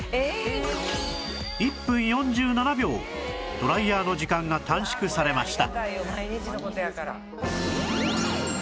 １分４７秒ドライヤーの時間が短縮されました